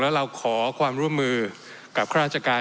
แล้วเราขอความร่วมมือกับข้าราชการ